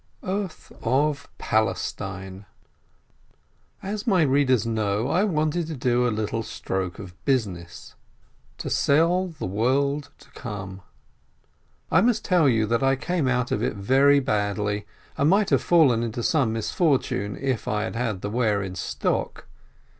EARTH OF PALESTINE As my readers know, I wanted to do a little stroke of business — to sell the world to come. I must tell you that I came out of it very badly, and might have fallen into some misfortune, if I had had the ware in stock.